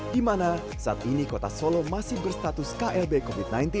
di mana saat ini kota solo masih berstatus klb covid sembilan belas